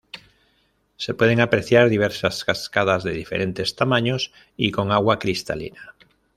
Se pueden apreciar diversas cascadas de diferentes tamaños y con agua cristalina.